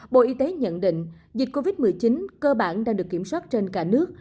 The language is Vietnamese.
bộ y tế nhận định dịch covid một mươi chín cơ bản đã được kiểm soát trên cả nước